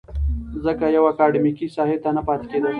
ځکه يوې اکادميکې ساحې ته نه پاتې کېده.